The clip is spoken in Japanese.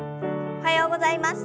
おはようございます。